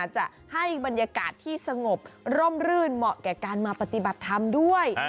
จะให้บรรยากาศที่สงบร่มรื่นเหมาะแก่การมาปฏิบัติธรรมด้วย